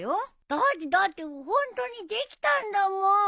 だってだってホントにできたんだもん。